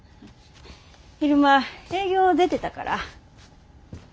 昼間営業出てたから。